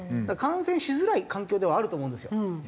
だから感染しづらい環境ではあると思うんですよ